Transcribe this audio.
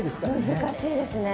難しいですね。